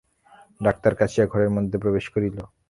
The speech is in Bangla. ডাক্তার কাশিয়া ঘরের মধ্যে প্রবেশ করিল।